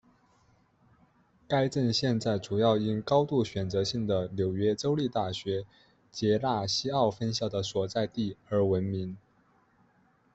该镇现在主要因高度选择性的纽约州立大学杰纳西奥分校的所在地而闻名。